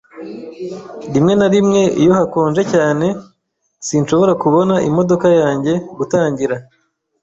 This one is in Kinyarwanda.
Rimwe na rimwe iyo hakonje cyane, sinshobora kubona imodoka yanjye gutangira.